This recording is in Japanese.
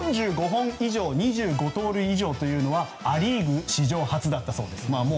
４５本以上２５盗塁以上というのはア・リーグで史上初だったそうです。